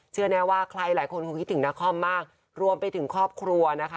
เชื่อแน่ว่าใครหลายคนคงคิดถึงนาคอมมากรวมไปถึงครอบครัวนะคะ